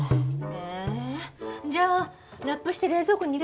えー？じゃあラップして冷蔵庫に入れて。